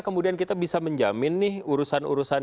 kemudian kita bisa menjamin nih urusan urusan